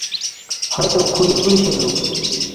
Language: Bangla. হয়তো খুনি পুলিশের লোক।